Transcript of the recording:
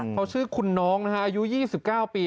เขาชื่อคุณน้องนะฮะอายุ๒๙ปี